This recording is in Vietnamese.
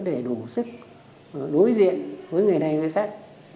để đủ sức đối diện với người này người khác